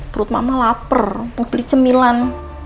perut mama lapar mau beli cemilan